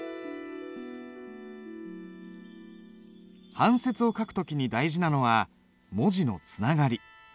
半切を書く時に大事なのは文字のつながり。